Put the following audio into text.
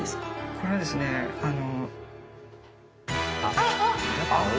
これですねあの。